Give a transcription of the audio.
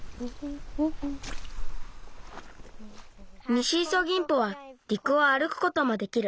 ニシイソギンポはりくをあるくこともできる。